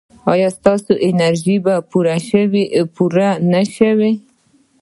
ایا ستاسو انرژي به پوره نه شي؟